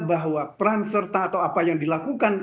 bahwa peran serta atau apa yang dilakukan